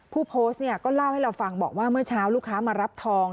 ผู้โพสต์เนี่ยก็เล่าให้เราฟังบอกว่าเมื่อเช้าลูกค้ามารับทอง